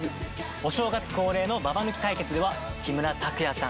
お正月恒例のババ抜き対決では木村拓哉さん